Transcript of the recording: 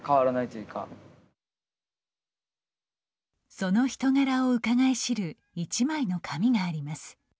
その人柄をうかがい知る一枚の紙があります。